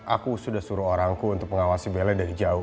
aku sudah suruh orangku untuk mengawasi bella dari jauh